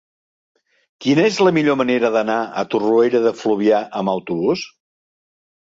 Quina és la millor manera d'anar a Torroella de Fluvià amb autobús?